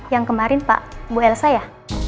yang kemarin pak bu elsa ya